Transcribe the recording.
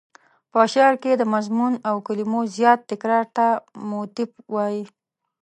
په شعر کې د مضمون او کلمو زیات تکرار ته موتیف وايي.